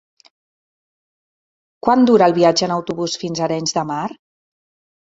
Quant dura el viatge en autobús fins a Arenys de Mar?